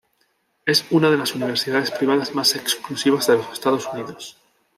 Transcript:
Es una de las universidades privadas más exclusivas de los Estados Unidos.